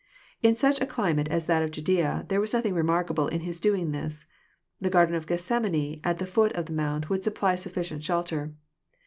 In such a climate as that of Judea there was nothing remarkable in His doing this. The garden of Gethsemane, at the foot of the mount, would supply sufilcient shelter.